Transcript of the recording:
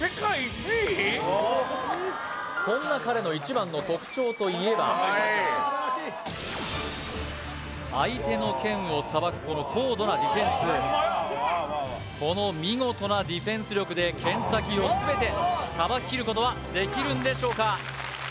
そんな彼の一番の特徴といえば相手の剣をさばくこの高度なディフェンスこの見事なディフェンス力で剣先を全てさばききることはできるんでしょうか？